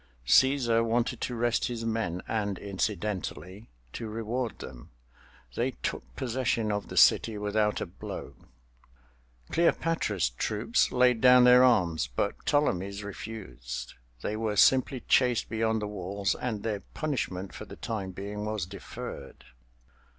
Cæsar wanted to rest his men and, incidentally, to reward them. They took possession of the city without a blow. Cleopatra's troops laid down their arms, but Ptolemy's refused. They were simply chased beyond the walls, and their punishment for the time being was deferred.